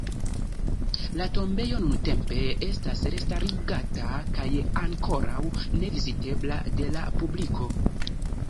La tombejo nuntempe estas restarigata kaj ankoraŭ ne vizitebla de la publiko.